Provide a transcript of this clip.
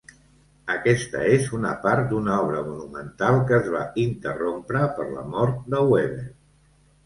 Aquesta és una part d'una obra monumental que es va interrompre per la mort de Weber.